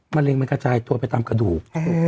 เร็งมันกระจายตัวไปตามกระดูก